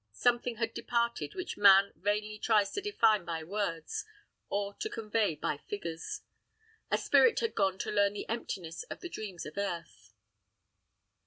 Something had departed which man vainly tries to define by words, or to convey by figures. A spirit had gone to learn the emptiness of the dreams of earth.